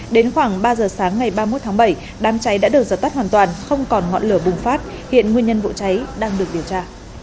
đến khoảng ba giờ sáng ngày ba mươi một tháng bảy đám cháy đã được dập tắt hoàn toàn không còn ngọn lửa bùng phát hiện nguyên nhân vụ cháy đang được điều tra